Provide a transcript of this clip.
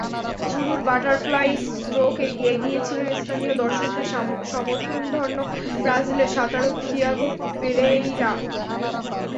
শুরুর বাটারফ্লাই স্ট্রোকে এগিয়ে ছিলেন স্থানীয় দর্শকদের সমর্থনধন্য ব্রাজিলের সাঁতারু থিয়াগো পেরেইরা।